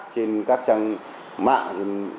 trên các trang mạng